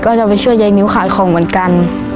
ก็จะไปช่วยยายนิ้วขายของเหมือนกัน